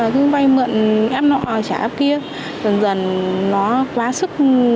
thương vay mượn ép nọ trả ấp kia dần dần nó quá sức